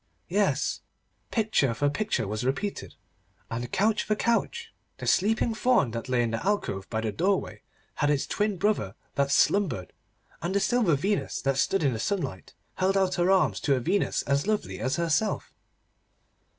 Yes, picture for picture was repeated, and couch for couch. The sleeping Faun that lay in the alcove by the doorway had its twin brother that slumbered, and the silver Venus that stood in the sunlight held out her arms to a Venus as lovely as herself.